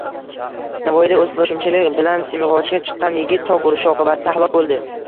Navoiyda o‘zboshimchalik bilan simyog‘ochga chiqqan yigit tok urishi oqibatida halok bo‘ldi